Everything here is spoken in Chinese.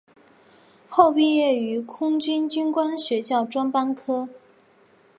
后毕业于空军军官学校专科班。